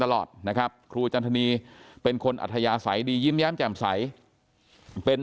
ตลอดนะครับครูจันทนีเป็นคนอัธยาศัยดียิ้มแย้มแจ่มใสเป็น